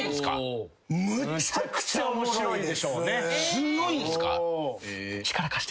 すごいんすか？